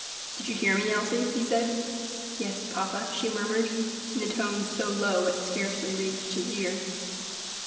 "Did you hear me, Elsie?" he asked. "Yes, papa," she murmured, in a tone so low it scarcely reached his ear.